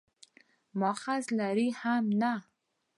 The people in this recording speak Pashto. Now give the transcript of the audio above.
مأخذ لري هم نه.